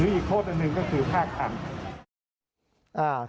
หรืออีกโทษอันนึงก็คือภาคคัน